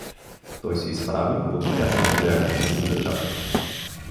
Той се изправи, подпря се на тоягата си и зачака.